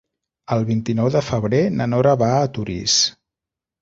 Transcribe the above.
El vint-i-nou de febrer na Nora va a Torís.